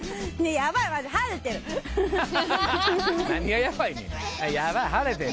「ヤバい晴れてる」。